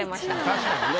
確かにね。